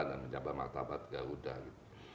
dan menjaga martabat garuda gitu